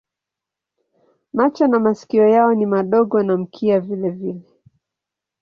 Macho na masikio yao ni madogo na mkia vilevile.